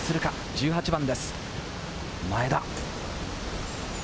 １８番です、前田。